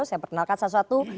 saya perkenalkan satu satu